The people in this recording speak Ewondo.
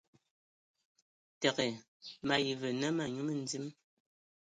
Təgə, mayi və nə ma nyu mədim.